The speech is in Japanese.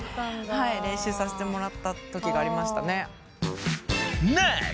練習させてもらったときがありましたね。